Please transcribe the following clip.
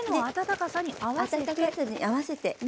温かさに合わせて。